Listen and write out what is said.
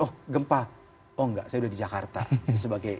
oh gempa oh enggak saya udah di jakarta